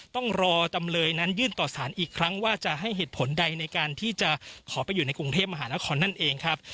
ต้องรอตำเนยื่นอีกครั้งว่าจะให้เหตุผลใดในการขอไปอยู่ในกรุงเทพมหานครนั้นเองครับ